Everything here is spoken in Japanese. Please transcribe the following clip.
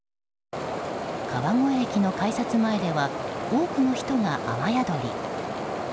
川越駅の改札前では多くの人が雨宿り。